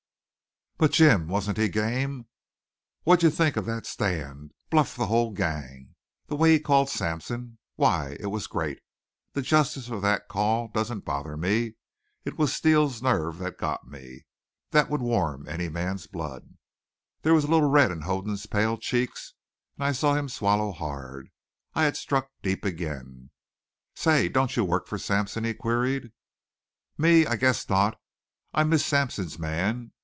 "But, Jim, wasn't he game? What'd you think of that stand? Bluffed the whole gang! The way he called Sampson why, it was great! The justice of that call doesn't bother me. It was Steele's nerve that got me. That'd warm any man's blood." There was a little red in Hoden's pale cheeks and I saw him swallow hard. I had struck deep again. "Say, don't you work for Sampson?" he queried. "Me? I guess not. I'm Miss Sampson's man.